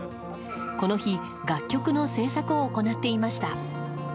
この日、楽曲の制作を行っていました。